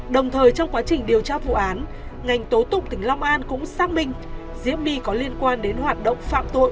đồng thời trong quá trình điều tra vụ án ngành tố tụng tỉnh long an cũng xác minh diễm my có liên quan đến hoạt động phạm tội